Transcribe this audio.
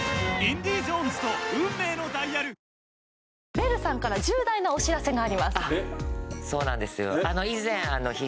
ベルさんから重大なお知らせがありますそうなんですよ